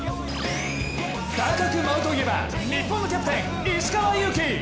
高く舞うといえば日本のキャプテン・石川祐希。